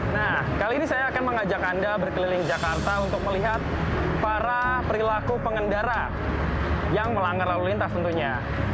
nah kali ini saya akan mengajak anda berkeliling jakarta untuk melihat para perilaku pengendara yang melanggar lalu lintas tentunya